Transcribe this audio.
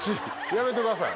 やめてください。